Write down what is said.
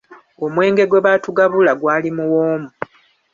Omwenge gwe baatugabula gwali muwoomu.